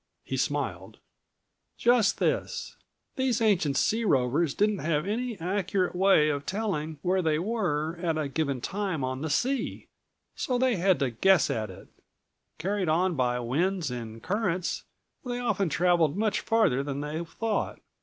he smiled. "Just this: These ancient sea rovers didn't have any accurate way of telling where they were at a given time on the sea, so they had to guess at it. Carried on by winds and currents, they often traveled much farther than they thought.